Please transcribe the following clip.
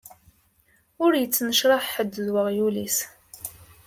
Ur yettnecṛaḥ ḥedd d uɣyul-is.